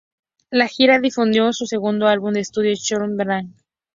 La gira difundió su segundo álbum de estudio: "Sorry... I'm Late".